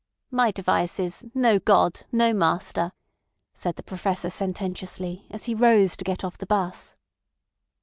"My device is: No God! No Master," said the Professor sententiously as he rose to get off the 'bus.